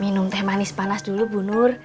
minum teh manis panas dulu bu nur